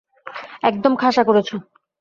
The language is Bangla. একদম খাসা করেছ!